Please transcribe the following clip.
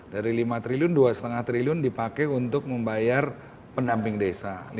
dari lima triliun dua lima triliun dipakai untuk membayar pendamping desa